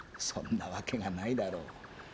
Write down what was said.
そんなわけがないだろう。